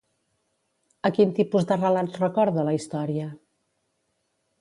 A quin tipus de relats recorda la història?